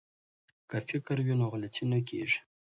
که فکر وي نو غلطي نه کیږي.